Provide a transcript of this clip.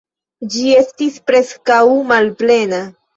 Ĝi estis preskaŭ malplena.